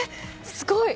すごい。